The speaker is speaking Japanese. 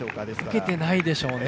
受けていないでしょうね。